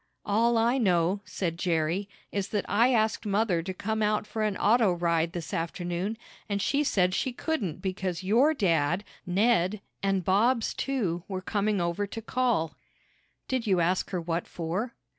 "All I know," said Jerry, "is that I asked mother to come out for an auto ride this afternoon, and she said she couldn't because your dad, Ned, and Bob's too, were coming over to call." "Did you ask her what for?"